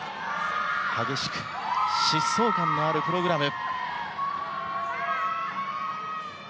激しく、疾走感のあるプログラム。